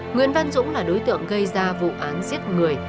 nguyễn văn dũng là đối tượng gây ra vụ án giết người